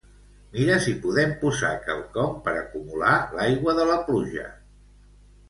Mira si podem posar quelcom per acumular l'aigua de la pluja.